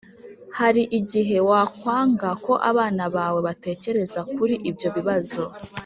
hari igihe wakwanga ko abana bawe batekereza kuri ibyo bibazo